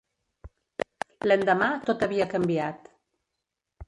L'endemà tot havia canviat.